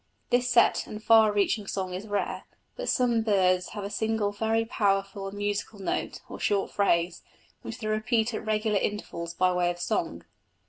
This set and far reaching song is rare, but some birds have a single very powerful and musical note, or short phrase, which they repeat at regular intervals by way of song.